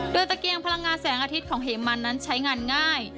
โดยตะเกียงพลังงานแสงอาทิตย์ของเหมันนั้นใช้งานง่าย